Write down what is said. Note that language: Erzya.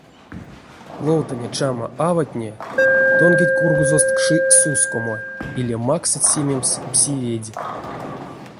Ловтаня чама аватне тонгить кургозост кши сускомо или максыть симемс пси ведь.